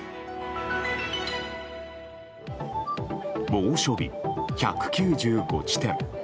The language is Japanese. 猛暑日１９５地点。